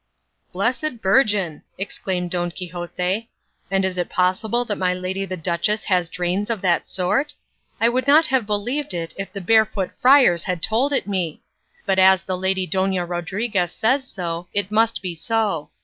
"Blessed Virgin!" exclaimed Don Quixote; "and is it possible that my lady the duchess has drains of that sort? I would not have believed it if the barefoot friars had told it me; but as the lady Dona Rodriguez says so, it must be so.